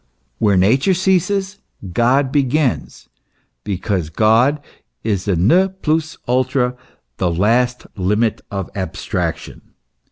"Where Nature ceases, God begins," because God is the ne plus ultra, the last limit of abstraction.